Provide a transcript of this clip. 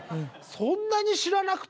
そんなに知らなくても。